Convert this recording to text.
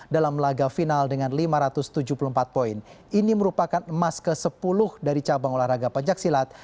dalam laga final dengan lima ratus tujuh puluh empat poin ini merupakan emas ke sepuluh dari cabang olahraga pencaksilat